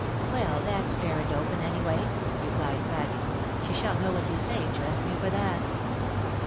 " Well ! that's fair and open, any way," replied Patty, she shall know what you say, trust me for that."